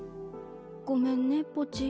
ごめんねポチ。